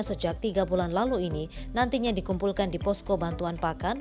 sejak tiga bulan lalu ini nantinya dikumpulkan di posko bantuan pakan